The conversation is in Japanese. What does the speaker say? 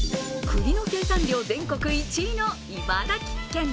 栗の生産量全国１位の茨城県。